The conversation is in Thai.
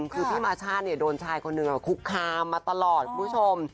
คือพี่มาช่าโดนชายคนหนึ่งคุกคามมาตลอดคุณผู้ชม